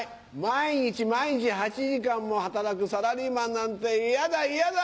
毎日毎日８時間も働くサラリーマンなんてイヤだイヤだ。